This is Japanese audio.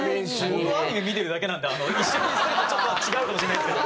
僕はアニメ見てるだけなんで一緒にするとちょっと違うかもしれないですけど。